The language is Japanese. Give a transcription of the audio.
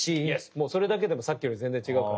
もうそれだけでもさっきより全然違うから。